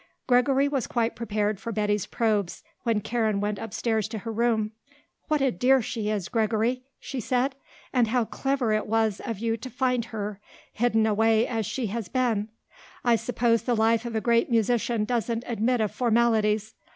Gregory was quite prepared for Betty's probes when Karen went upstairs to her room. "What a dear she is, Gregory," she said; "and how clever it was of you to find her, hidden away as she has been. I suppose the life of a great musician doesn't admit of formalities.